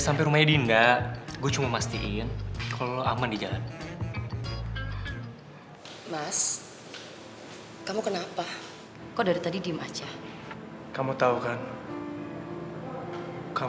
sampai jumpa di video selanjutnya